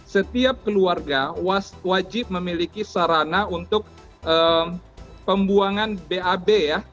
setiap keluarga wajib memiliki sarana untuk pembuangan bab ya